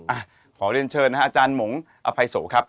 อ่ะขอเรียนเชิญนะฮะอาจารย์หมงอภัยโสครับ